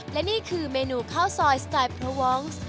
และนี่คือเมนูข้าวซอยสไตล์พระวองซ์